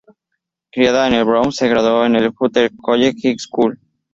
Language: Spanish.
Criada en el Bronx, se graduó en el Hunter College High School.